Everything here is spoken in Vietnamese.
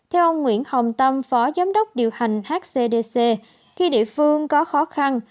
theo ông nguyễn hồng tâm phó giám đốc điều hành hcdc khi địa phương có khó khăn